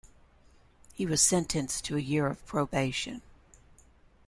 He was sentenced to a year of probation.